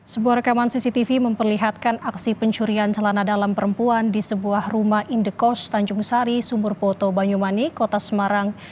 sebuah rekaman cctv memperlihatkan aksi pencurian celana dalam perempuan di sebuah rumah indekos tanjung sari sumur poto banyumani kota semarang